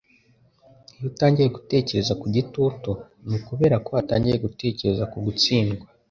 Iyo utangiye gutekereza ku gitutu, ni ukubera ko watangiye gutekereza ku gutsindwa. ”